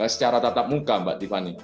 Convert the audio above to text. secara tatap muka mbak tiffany